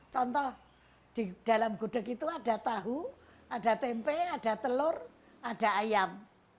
contoh di dalam gudeg itu ada tahu ada tempe ada telur ada ayam